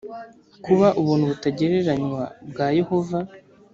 Kuba ubuntu butagereranywa bwa Yehova